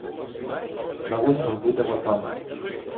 На восьму будемо там.